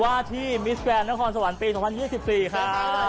ว่าที่มิสแฟนด้านความสวรรค์ปี๒๐๒๐ค่ะ